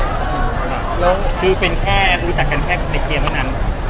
แล้วคือเป็นแค่รู้จักกันแค่ในเกมเท่านั้น